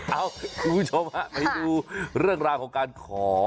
คุณผู้ชมฮะไปดูเรื่องราวของการขอ